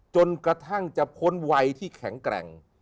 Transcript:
จนกระทั่งจะพ้นวัยที่แข็งแกร่ง